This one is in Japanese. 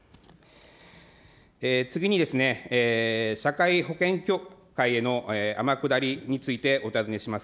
次にですね、社会保険協会への天下りについてお尋ねします。